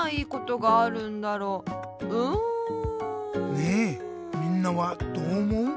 ねえみんなはどうおもう？